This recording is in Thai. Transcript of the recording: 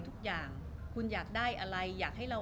รูปนั้นผมก็เป็นคนถ่ายเองเคลียร์กับเรา